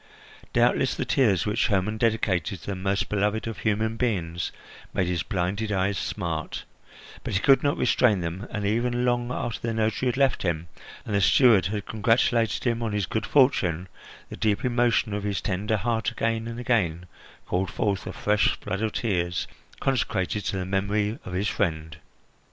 Doubtless the tears which Hermon dedicated to the most beloved of human beings made his blinded eyes smart, but he could not restrain them, and even long after the notary had left him, and the steward had congratulated him on his good fortune, the deep emotion of his tender heart again and again called forth a fresh flood of tears consecrated to the memory of his friend.